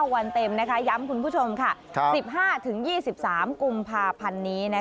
วันเต็มย้ำคุณผู้ชมค่ะ๑๕๒๓กุมภาพันธ์นี้